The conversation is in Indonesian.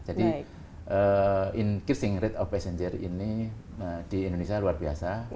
jadi increasing rate of passenger ini di indonesia luar biasa